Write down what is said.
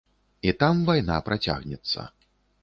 І там вайна працягнецца.